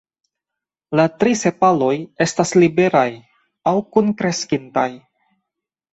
La tri sepaloj estas liberaj aŭ kunkreskintaj.